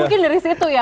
mungkin dari situ ya